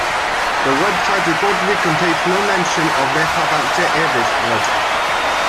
The website reportedly contains no mention of Rehavam Ze'evi's murder.